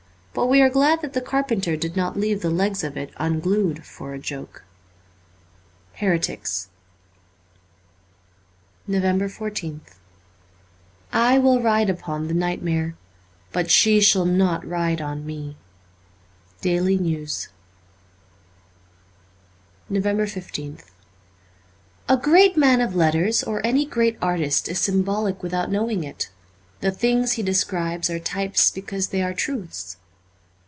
But we are glad that the carpenter did not leave the legs of it unglued for a joke. '■Heretics' 353 2 A NOVEMBER 14th I WILL ride upon the Nightmare ; but she shall not ride on me. ' Daily News,' 354 NOVEMBER 15th A GREAT man of letters or any great artist is symbolic without knowing it. The things he describes are types because they are truths.